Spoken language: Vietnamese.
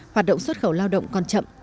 hoạt động xuất khẩu lao động còn chậm